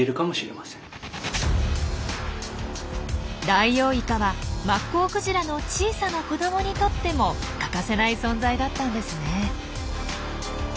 ダイオウイカはマッコウクジラの小さな子どもにとっても欠かせない存在だったんですね。